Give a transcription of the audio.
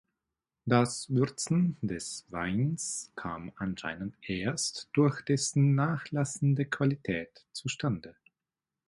Das Würzen des Weins kam anscheinend erst durch dessen nachlassende Qualität zustande.